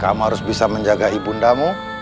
kamu harus bisa menjaga ibu ndamu